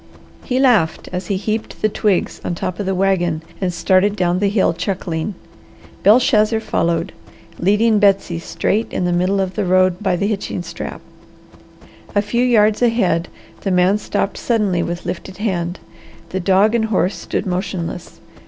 He laughed as he heaped the twigs on top of the wagon and started down the hill chuckling. Belshazzar followed, leading Betsy straight in the middle of the road by the hitching strap. A few yards ahead the man stopped suddenly with lifted hand. The dog and horse stood motionless.